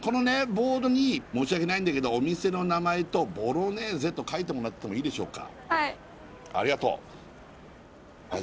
ボードに申し訳ないんだけどお店の名前とボロネーゼと書いてもらってもいいでしょうか？